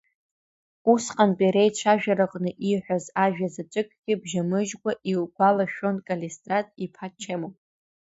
Усҟантәи реицәажәараҟны иҳәаз ажәа заҵәыкгьы бжьамыжькәа игәалашәон Калистрат иԥа Чемо.